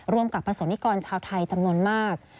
ร่วมกับประสงค์นิกรชาวไทยจำนวนมาก